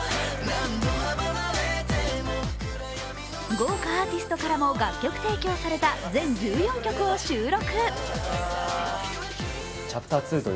豪華アーティストからも楽曲提供された全１４曲を収録。